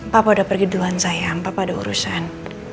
papa udah pergi duluan sayang papa ada urusan